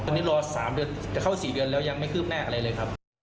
ตอนนี้รอ๓เดือนจะเข้า๔เดือนแล้วยังไม่คืบหน้าอะไรเลยครับ